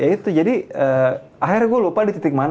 ya itu jadi akhirnya gue lupa di titik mana